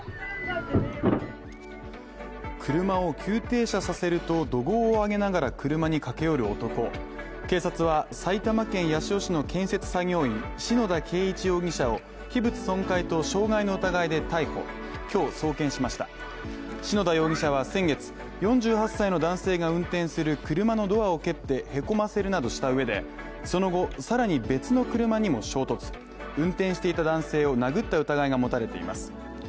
車を急停車させると怒号を上げながら車に駆け寄る男警察は、埼玉県八潮市の建設作業員篠田恵一容疑者を器物損壊と傷害の疑いで逮捕、今日送検しました篠田容疑者は先月、４８歳の男性が運転する車のドアを蹴ってへこませるなどした上で、その後、さらに別の車にも衝突、運転していた男性を殴った疑いが持たれています。